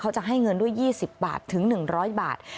จะให้เงินด้วย๒๐บาทถึง๑๐๐บาท